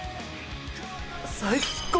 最高！